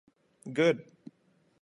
Good!